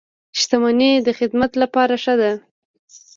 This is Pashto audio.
• شتمني د خدمت لپاره ښه ده.